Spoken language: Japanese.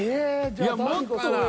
いやもっと上。